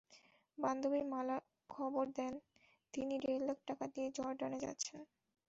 বান্ধবী মালা খবর দেন, তিনি দেড় লাখ টাকা দিয়ে জর্ডানে যাচ্ছেন।